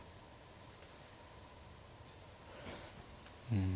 うん。